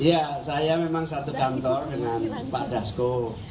ya saya memang satu kantor dengan pak dasko